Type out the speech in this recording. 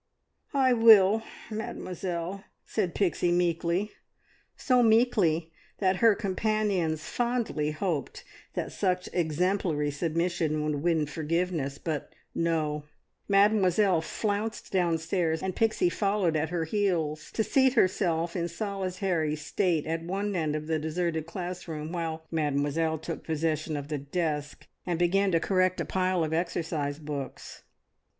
"I will, Mademoiselle," said Pixie meekly, so meekly that her companions fondly hoped that such exemplary submission would win forgiveness; but no, Mademoiselle flounced downstairs, and Pixie followed at her heels, to seat herself in solitary state at one end of the deserted schoolroom, while Mademoiselle took possession of the desk and began to correct a pile of exercise books.